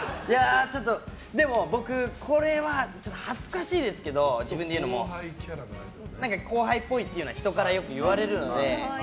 でも僕、これは自分で言うのも恥ずかしいですけど何か後輩っぽいっていうのは人からよく言われるので。